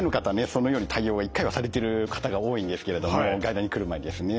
そのように対応を１回はされてる方が多いんですけれども外来に来る前にですね。